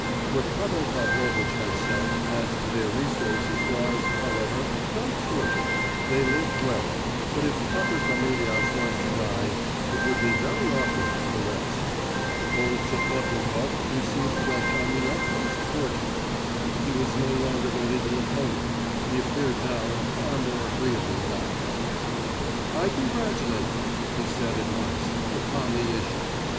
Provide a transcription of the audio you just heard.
What Pavel Pavlovitch had said as to their resources was, however, quite true; they lived well, but if paterfamilias were to die, it would be very awkward for the rest. Old Zachlebnikoff received Velchaninoff most cordially. He was no longer the legal opponent; he appeared now in a far more agreeable guise. "I congratulate you," he said at once, "upon the issue.